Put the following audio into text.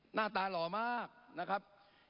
หน้าตาหล่อมากนะครับ